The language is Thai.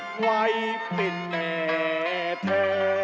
เสาคำยันอาวุธิ